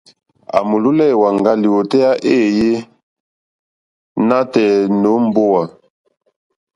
À mòlólɛ́ èwàŋgá lìwòtéyá éèyé nǎtɛ̀ɛ̀ nǒ mbówà.